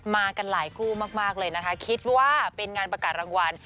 กันหลายคู่มากเลยนะคะคิดว่าเป็นงานประกาศรางวัล